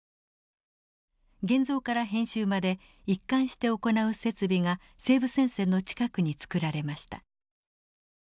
現像から編集まで一貫して行う設備が西部戦線の近くに作られました。